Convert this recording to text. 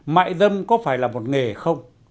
mại dâm có phải là một nghề không